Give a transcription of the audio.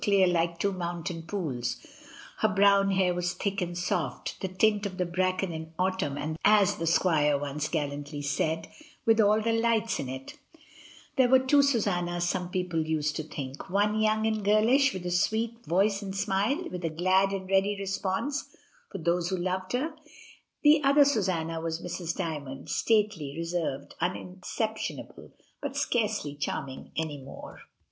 25 1 dear like two mountain pools, her brown hair was thick and soft, the tint of the bracken in autumn, as the squire once gallantly said, with all the lights in it There were two Susannas some people used to think, one young and girlish, with a sweet voice and smile, with a glad and ready response for those who loved her; the other Susanna was Mrs. Dymond, stately, reserved, unexceptionable, but scarcely charm ing any more.